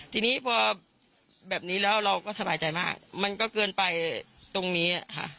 ทีนี้พอแบบนี้แล้วเราก็สบายใจมากมันก็เกินไปตรงนี้ค่ะ